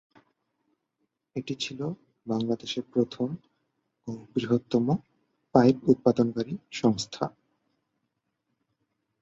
এটি ছিল বাংলাদেশের প্রথম ও বৃহত্তম পাইপ উৎপাদনকারী সংস্থা।